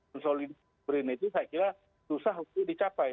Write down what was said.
konsolidasi brin itu saya kira susah untuk dicapai